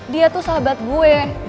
dia tuh sahabat gue